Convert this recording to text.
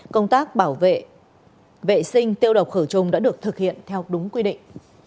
công tác bảo vệ vệ sinh tiêu độc khử trùng đã được thực hiện theo đúng quy định